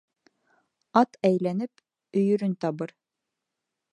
Ат әйләнеп өйөрөн табыр